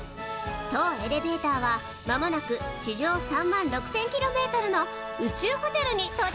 当エレベーターは間もなく地上３万６，０００ｋｍの宇宙ホテルにとうちゃくいたします。